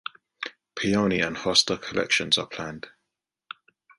Peony and hosta collections are planned.